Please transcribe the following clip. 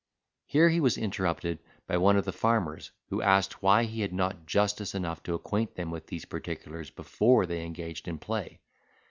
Here he was interrupted by one of the farmers, who asked, why he had not justice enough to acquaint them with these particulars before they engaged in play.